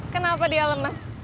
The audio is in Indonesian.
kenapa dia lemes